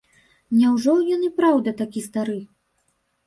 Няўжо ён і праўда такі стары?